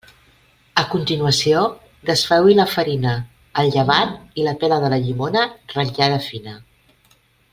A continuació, desfeu-hi la farina, el llevat i la pela de la llimona ratllada fina.